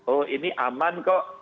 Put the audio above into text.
oh ini aman kok